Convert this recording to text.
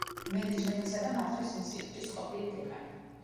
მენეჯმენტისა და მართვის ინსტიტუტის ყოფილი დეკანი.